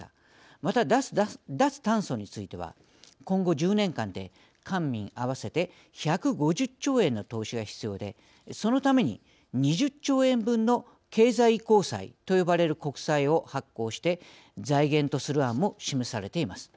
また脱炭素については今後１０年間で官民合わせて１５０兆円の投資が必要でそのために２０兆円分の経済移行債と呼ばれる国債を発行して財源とする案も示されています。